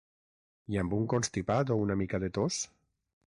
I amb un constipat o una mica de tos?